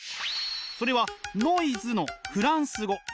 それはノイズのフランス語。